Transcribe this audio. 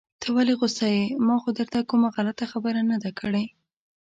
ته ولې غوسه يې؟ ما خو درته کومه غلطه خبره نده کړي.